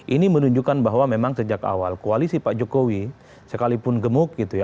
ini menunjukkan bahwa memang sejak awal koalisi pak jokowi sekalipun gemuk gitu ya